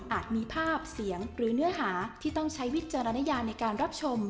มีภาพเสียงหรือเนื้อหาที่ต้องใช้วิจารณญาในการรับชม